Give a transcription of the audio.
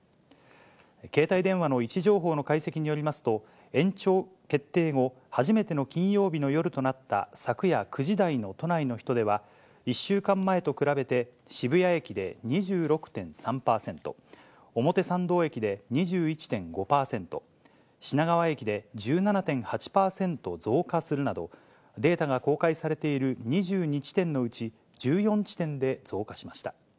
携帯電話の位置情報の解析によりますと、延長決定後、初めての金曜日の夜となった昨夜９時台の都内の人出は、１週間前と比べて、渋谷駅で２６．３％、表参道駅で２１．５％、品川駅で１７．８％増加するなど、データが公開されている２２地点のうち１４地点で増加しました。